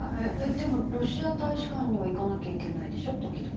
でもロシア大使館には行かなきゃいけないでしょ時々。